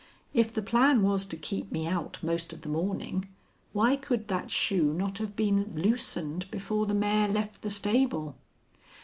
If the plan was to keep me out most of the morning why could that shoe not have been loosened before the mare left the stable?